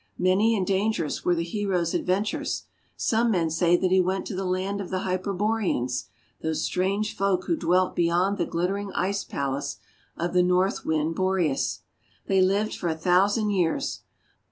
Many and dangerous were the hero's adventures. Some men say that he went to the Land of the Hyperboreans, those strange folk who dwelt beyond the glittering ice palace of the North Wind Boreas. They lived for a thousand years.